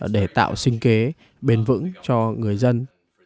để tạo sinh kế bền vững cho người dân